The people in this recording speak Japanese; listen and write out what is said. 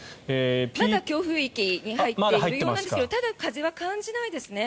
まだ強風域に入っているようなんですがただ、風は感じないでですね。